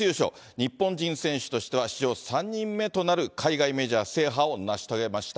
日本人選手としては史上３人目となる海外メジャー制覇を成し遂げました。